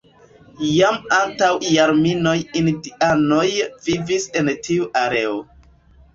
Jam antaŭ jarmiloj indianoj vivis en tiu areo.